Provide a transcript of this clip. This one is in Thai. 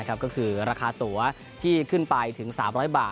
ก็คือราคาตัวที่ขึ้นไปถึง๓๐๐บาท